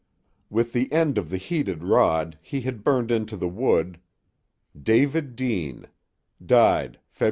With the end of the heated rod he had burned into the wood: DAVID DEANE Died Feb.